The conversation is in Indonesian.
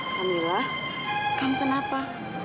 pamela kamu kenapa